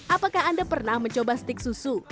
apakah anda pernah mencoba stik susu